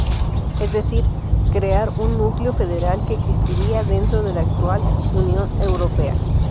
Es decir, crear un núcleo federal que existiría dentro de la actual Unión Europea.